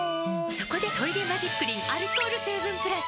そこで「トイレマジックリン」アルコール成分プラス！